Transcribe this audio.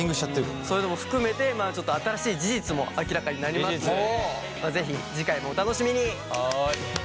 そういうのも含めて新しい事実も明らかになりますので是非次回もお楽しみに。